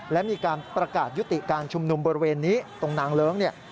และมีการประกาศยุติการชุมนุมบริเวณนี้ตรงนางเลิ้งเนี่ย